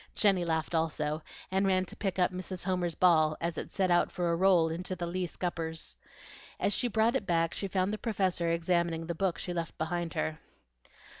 Jenny laughed also, and ran to pick up Mrs. Homer's ball, as it set out for a roll into the lee scuppers. As she brought it back she found the Professor examining the book she left behind her.